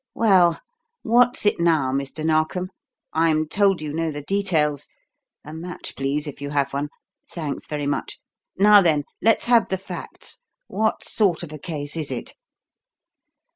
Well, what's it now, Mr. Narkom? I'm told you know the details. A match please, if you have one. Thanks very much. Now then let's have the facts. What sort of a case is it?"